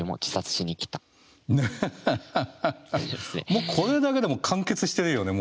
もうこれだけでも完結してるよね